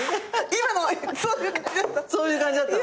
今のそういう感じだった？